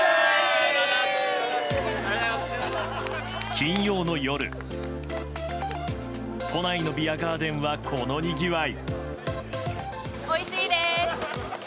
金曜の夜、都内のビアガーデンはこのにぎわい。